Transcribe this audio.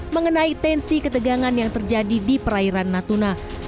mengenai tensi ketegangan yang terjadi di perairan natuna